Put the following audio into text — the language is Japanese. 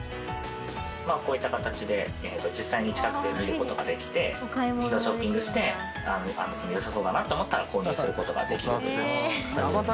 まあこういった形で実際に近くで見る事ができてウィンドーショッピングして良さそうだなと思ったら購入する事ができるという形で。